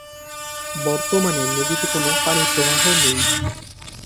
বর্তমানে নদীতে কোনো পানিপ্রবাহ নেই।